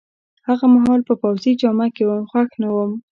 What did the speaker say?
هغه مهال په پوځي جامه کي وم، خوښ نه وم.